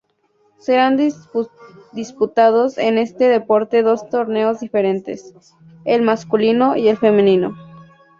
Serán disputados en este deporte dos torneos diferentes, el masculino y el femenino.